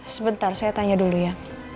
sebentar saya tanya dulu ya